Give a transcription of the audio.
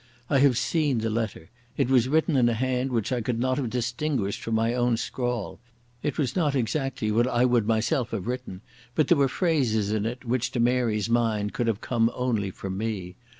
I have seen the letter. It was written in a hand which I could not have distinguished from my own scrawl. It was not exactly what I would myself have written, but there were phrases in it which to Mary's mind could have come only from me.